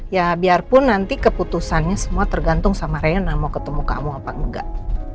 ya biarpun nanti keputusannya semua tergantung sama rena mau ketemu kamu apa enggak